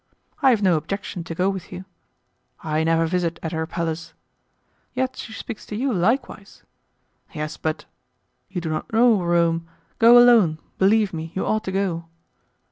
"I have no objection to go with you." "I never visit at her palace." "Yet she speaks to you likewise." "Yes, but.... You do not know Rome; go alone; believe me, you ought to go."